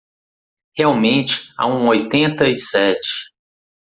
Realmente há um oitenta e sete